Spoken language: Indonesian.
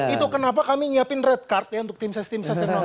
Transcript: itu kenapa kami nyiapin red card ya untuk tim ses tim ses yang nonton